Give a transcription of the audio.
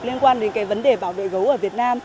liên quan đến cái vấn đề bảo vệ gấu ở việt nam